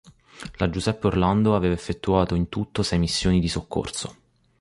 La "Giuseppe Orlando" aveva effettuato in tutto sei missioni di soccorso.